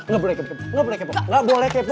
gak boleh kepo gak boleh kepo gak boleh kepo